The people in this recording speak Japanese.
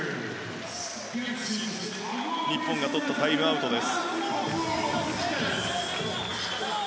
日本がとったタイムアウトです。